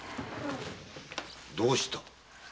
・どうした？